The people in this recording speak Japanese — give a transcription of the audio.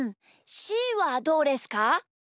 しーはどうですか？